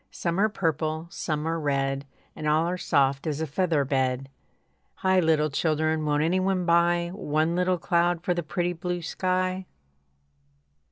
Some are purple, some are red, And all are soft as a feather bed. Hi! Little children, won't any one buy One little cloud for the pretty blue sky?